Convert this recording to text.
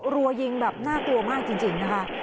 รัวยิงแบบน่ากลัวมากจริงนะคะ